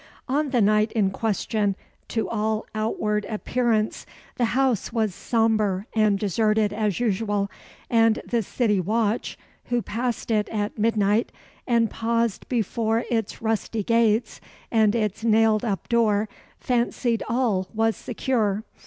On the night in question, to all outward appearance, the house was sombre and deserted as usual, and the city watch who passed it at midnight, and paused before its rusty gates and its nailed up door, fancied all was secure.